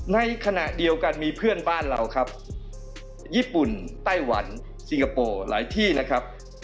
ในขณะเดียวกันมีเพื่อนบ้านเราครับญี่ปุ่นไต้หวันสิงคโปร์หลายที่นะครับ